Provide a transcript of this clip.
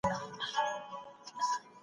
ورځنی ژوند له کار او هلو ځلو ډک دی.